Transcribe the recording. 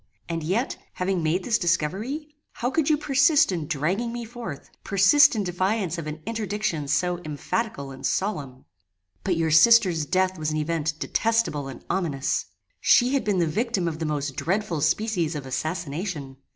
And yet, having made this discovery, how could you persist in dragging me forth: persist in defiance of an interdiction so emphatical and solemn? "But your sister's death was an event detestable and ominous. She had been the victim of the most dreadful species of assassination.